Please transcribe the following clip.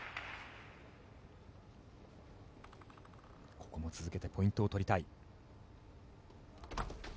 ここも続けてポイントを取りたい。